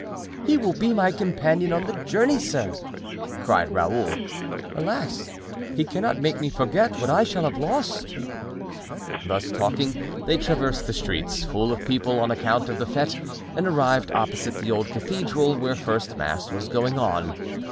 "He will be my companion on the journey, sir," cried Raoul. "Alas! he cannot make me forget what I shall have lost!" Thus talking, they traversed the streets, full of people on account of the fete, and arrived opposite the old cathedral, where first mass was going on.